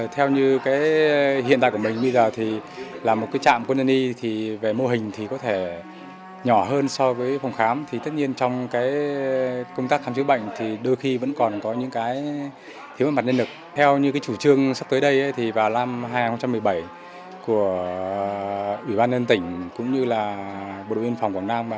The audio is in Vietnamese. theo dự kiến tại trung tâm xã asan sẽ xây dựng phòng khám chữa bệnh ngày càng lớn